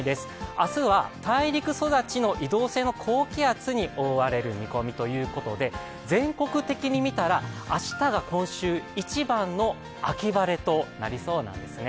明日は大陸育ちの移動性の高気圧に覆われる見込みということで全国的に見たら、明日が今週一番の秋晴れとなりそうなんですね。